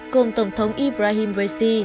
cùng tổng thống ibrahim raisi